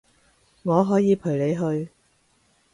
我可以陪你去